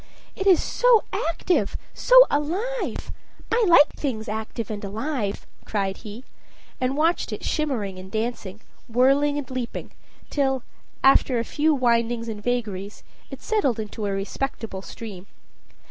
"It is so active, so alive! I like things active and alive!" cried he, and watched it shimmering and dancing, whirling and leaping, till, after a few windings and vagaries, it settled into a respectable stream.